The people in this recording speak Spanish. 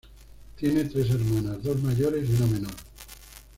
Tiene tres hermanas, dos mayores y una menor.